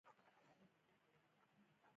له هرې ډلې یو استازی دې د مرستې په اړه خبرې وکړي.